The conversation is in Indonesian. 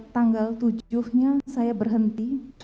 tanggal tujuh nya saya berhenti